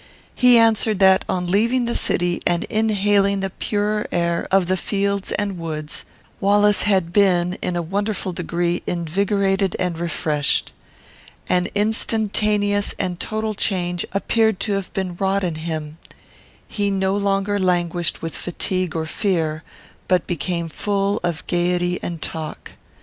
He answered that, on leaving the city and inhaling the purer air of the fields and woods, Wallace had been, in a wonderful degree, invigorated and refreshed. An instantaneous and total change appeared to have been wrought in him. He no longer languished with fatigue or fear, but became full of gayety and talk.